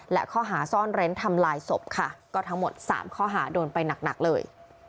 และข้อหาซ่อนเร้นทำลายศพค่ะก็ทั้งหมด๓ข้อหาโดนไปหนักเลย